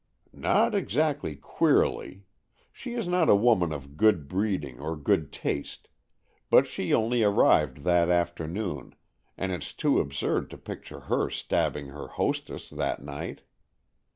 "Not exactly queerly; she is not a woman of good breeding or good taste, but she only arrived that afternoon, and it's too absurd to picture her stabbing her hostess that night."